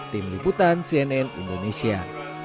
tim liputan cnn indonesia